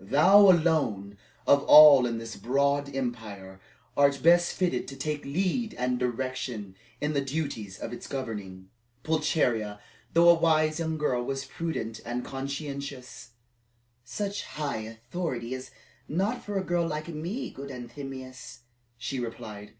"Thou alone, of all in this broad empire, art best fitted to take lead and direction in the duties of its governing." Pulcheria, though a wise young girl, was prudent and conscientious. "Such high authority is not for a girl like me, good Anthemius," she replied.